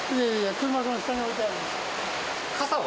車はその下に置いてあるんで傘は？